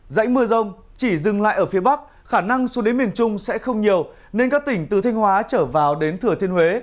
dãy mưa rông chỉ dừng lại ở phía bắc khả năng xuống đến miền trung sẽ không nhiều nên các tỉnh từ thanh hóa trở vào đến thừa thiên huế